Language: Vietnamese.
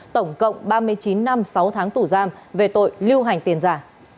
tổng cộng ba mươi chín năm sáu tháng tù giam về tội lưu hành tiền giả